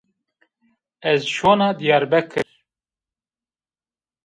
Ez şona Dîyarbekir